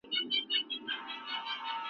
د ټولني درد باید احساس کړو.